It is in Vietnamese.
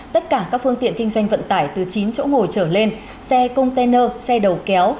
tất cả các phương tiện kinh doanh vận tải từ chín chỗ ngồi trở lên xe container xe đầu kéo